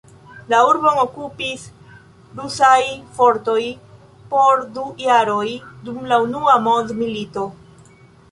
La urbon okupis rusaj fortoj por du jaroj dum la unua mondmilito.